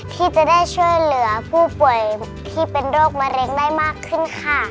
ที่จะได้ช่วยเหลือผู้ป่วยที่เป็นโรคมะเร็งได้มากขึ้นค่ะ